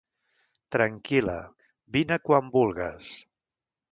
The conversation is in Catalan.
Tranquil·la, vine quan vulgues.